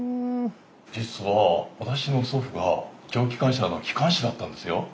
実は私の祖父が蒸気機関車の機関士だったんですよ。